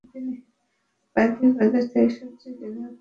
পাইকারি বাজার থেকে সবজি কিনে খুচরা দোকানিরা মালিবাগের রাস্তায় এসে বসেন।